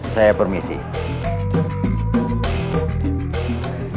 saya akan mempermainkannya